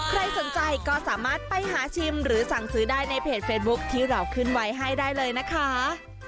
ใครสนใจก็สามารถไปหาชิมหรือสั่งซื้อได้ในเพจเฟซบุ๊คที่เราขึ้นไว้ให้ได้เลยนะคะ